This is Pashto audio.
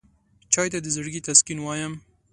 چای ته د زړګي تسکین وایم.